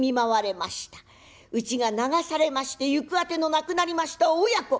家が流されまして行く当てのなくなりました親子。